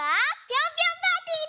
ピョンピョンパーティー？